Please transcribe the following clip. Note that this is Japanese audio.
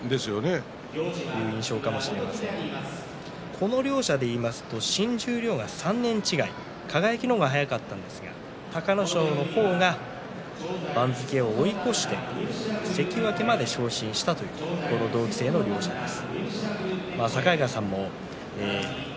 この両者でいいますと新十両は３年違い、輝の方が早かったんですが隆の勝の方が番付を追い越して関脇まで昇進したという同期生の両者です。